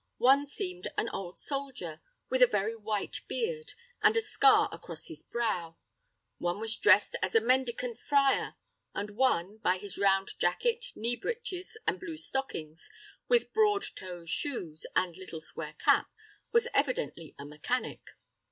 One seemed an old soldier, with a very white beard, and a scar across his brow; one was dressed as a mendicant friar; and one, by his round jacket, knee breeches, and blue stockings, with broad toed shoes and a little square cap, was evidently a mechanic.